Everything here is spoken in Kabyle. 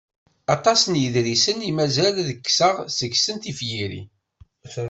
Aṭas n yiḍrisen i mazal ad d-kkseɣ seg-sen tifyirin.